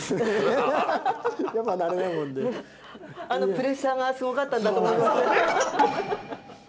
プレッシャーがすごかったんだと思います。